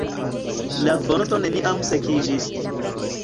La fonto neniam sekiĝis.